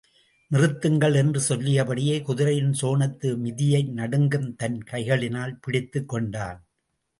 நிறுத்துங்கள்! என்று சொல்லியபடியே குதிரையின் சேணத்து மிதியை நடுங்கும் தன் கைகளினால் பிடித்துக் கொண்டான்.